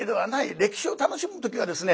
歴史を楽しむ時はですね